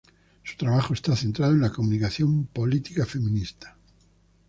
Su trabajo está centrado en la comunicación política feminista.